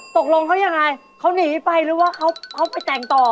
ตกลงเขายังไงเขาหนีไปหรือว่าเขาไปแต่งต่อ